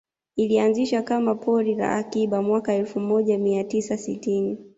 Ilianzishwa kama pori la akiba mwaka elfu moja mia tisa sitini